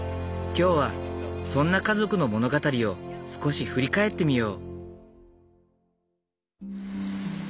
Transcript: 今日はそんな家族の物語を少し振り返ってみよう。